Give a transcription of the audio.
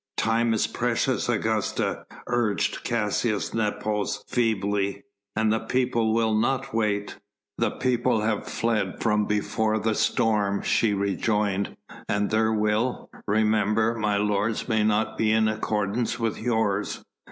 "Time is precious, Augusta," urged Caius Nepos feebly, "and the people will not wait." "The people have fled from before the storm," she rejoined, "and their will, remember, my lords, may not be in accordance with yours."